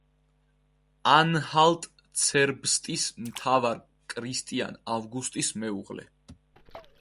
ანჰალტ-ცერბსტის მთავარ კრისტიან ავგუსტის მეუღლე.